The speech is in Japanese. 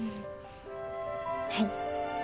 はい。